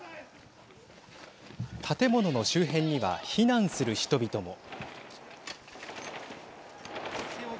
建物の周辺には避難する人々も。